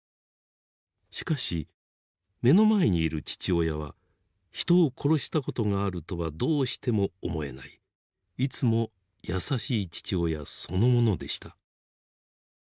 しかし目の前にいる父親は人を殺したことがあるとはどうしても思えないいつも「優しい父親」そのものでした。